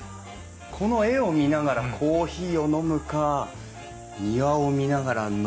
この絵を見ながらコーヒーを飲むか庭を見ながら飲むか迷うね。